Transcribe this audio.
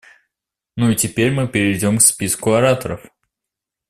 Ну и теперь мы перейдем к списку ораторов.